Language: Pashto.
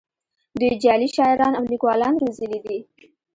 دوی جعلي شاعران او لیکوالان روزلي دي